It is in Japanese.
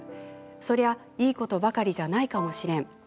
そりゃ、いいことばかりじゃないかもしれん。